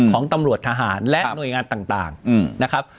ของตำรวจทหารและหน่วยงานต่างนะครับ